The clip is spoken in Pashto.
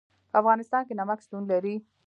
په افغانستان کې نمک شتون لري.